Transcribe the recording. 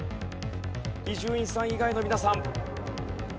伊集院さん以外の皆さん。